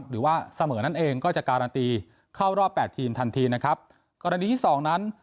หรือว่าเสมอนั่นเองก็จะการันตีเข้ารอบแปดทีมทันทีนะครับกรณีที่สองนั้น